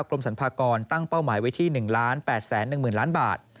กรมสันพากรตั้งเป้าหมายไว้ที่หนึ่งล้านแปดแสนหนึ่งหมื่นล้านบาท